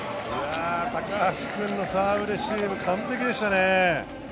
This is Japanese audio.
高橋君のサーブレシーブ完璧でしたね。